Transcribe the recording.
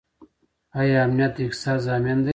آیا امنیت د اقتصاد ضامن دی؟